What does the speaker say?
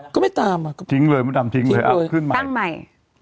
ก็ไม่ตามอ่ะก็ทิ้งเลยเอาต้องทิ้งเลยเอ้าตั้งใหม่